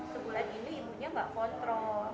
sepulah gini ibunya gak kontrol